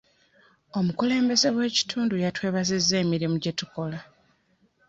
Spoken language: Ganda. Omukulembeze w'ekitundu yatwebazizza emirimu gye tukola.